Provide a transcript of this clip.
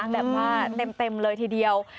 แบบว่าเต็มเลยทีเดียว